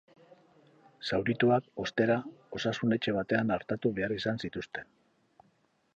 Zaurituak, ostera, osasun etxe batean artatu behar izan zituzten.